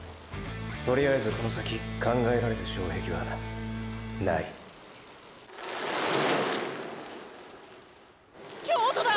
とりあえずこの先考えられる障壁はーーない京都だ！